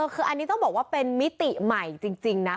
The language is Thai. คืออันนี้ต้องบอกว่าเป็นมิติใหม่จริงนะ